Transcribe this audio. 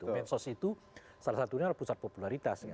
mensos itu salah satunya adalah pusat popularitas